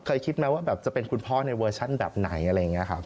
คิดไหมว่าแบบจะเป็นคุณพ่อในเวอร์ชั่นแบบไหนอะไรอย่างนี้ครับ